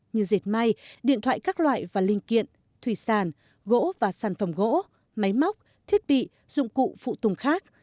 như dệt may điện thoại các loại và linh kiện thủy sản gỗ và sản phẩm gỗ máy móc thiết bị dụng cụ phụ tùng khác